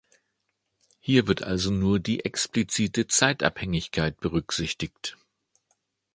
Hier wird also nur die explizite Zeitabhängigkeit berücksichtigt.